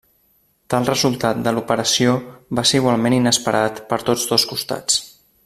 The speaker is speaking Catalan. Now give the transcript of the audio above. Tal resultat de l'operació va ser igualment inesperat per tots dos costats.